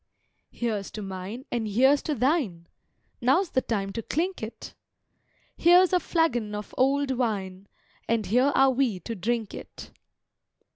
Here's to mine and here's to thine! Now's the time to clink it! Here's a flagon of old wine, And here are we to drink it.